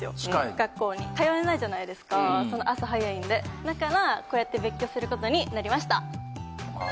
学校に通えないじゃないですか朝早いんでだからこうやって別居することになりましたああ